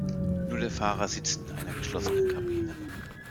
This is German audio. Nur der Fahrer sitzt in einer geschlossenen Kabine.